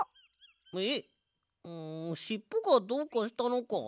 えっんしっぽがどうかしたのか？